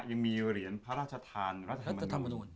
ยังมีเหรียญพระราชทานรัฐธรรมนุน